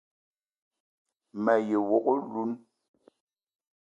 Me ye wok oloun